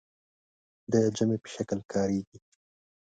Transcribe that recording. د جمع په شکل کاریږي.